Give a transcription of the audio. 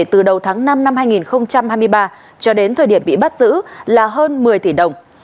từ đầu tháng năm năm hai nghìn hai mươi ba cho đến thời điểm bị bắt giữ là hơn một mươi tỷ đồng